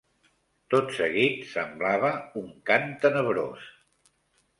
Tot seguit, semblava un cant tenebrós.